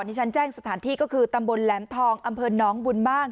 ที่ฉันแจ้งสถานที่ก็คือตำบลแหลมทองอำเภอน้องบุญบ้าง